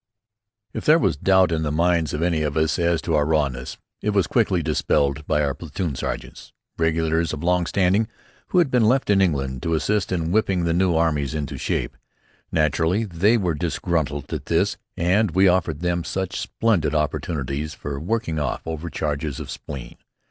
If there was doubt in the minds of any of us as to our rawness, it was quickly dispelled by our platoon sergeants, regulars of long standing, who had been left in England to assist in whipping the new armies into shape. Naturally, they were disgruntled at this, and we offered them such splendid opportunities for working off overcharges of spleen.